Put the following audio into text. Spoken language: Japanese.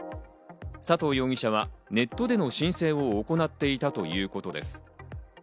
佐藤容疑者はネットでの申請を行っていたということです。